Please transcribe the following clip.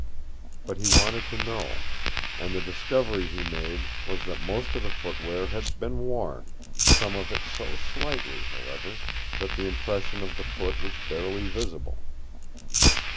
But he wanted to know. And the discovery he made was that most of the footwear had been worn, some of it so slightly, however, that the impression of the foot was barely visible.